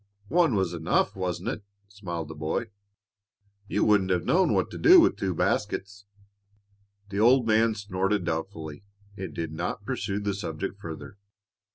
"One was enough, wasn't it?" smiled the boy. "You wouldn't have known what to do with two baskets." The old man snorted doubtfully and did not pursue the subject farther.